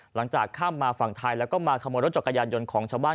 หลังจากข้ามมาฝั่งทายและก็มาขำรสจกยานยนต์ของชาวบ้าน